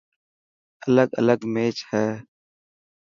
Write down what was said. الگ الگ ميچ هي.